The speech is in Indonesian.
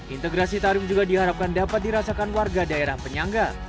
integrasi tarif juga diharapkan dapat dirasakan warga daerah penyangga